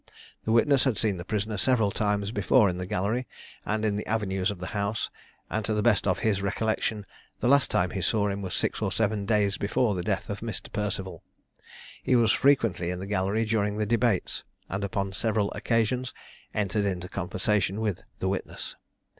The witness had seen the prisoner several times before in the gallery and in the avenues of the house, and to the best of his recollection the last time he saw him was six or seven days before the death of Mr. Perceval. He was frequently in the gallery during the debates, and upon several occasions entered into conversation with the witness.